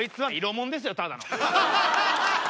ただの。